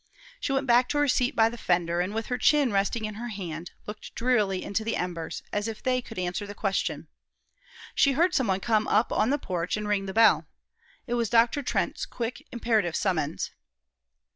She went back to her seat by the fender, and, with her chin resting in her hand, looked drearily into the embers, as if they could answer the question. She heard some one come up on the porch and ring the bell. It was Dr. Trent's quick, imperative summons.